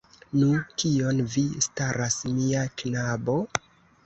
Nu, kion vi staras, mia knabo?